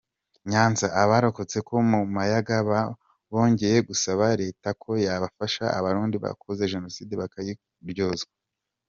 Nyanza: Abarokotse bo mu Mayaga bongeye gusaba Leta ko yabafasha Abarundi bakoze jenoside bakabiryozwa.